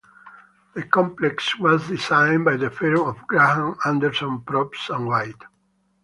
The complex was designed by the firm of Graham, Anderson, Probst, and White.